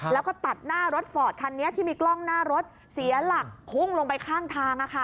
แล้วก็ตัดหน้ารถฟอร์ดคันนี้ที่มีกล้องหน้ารถเสียหลักพุ่งลงไปข้างทาง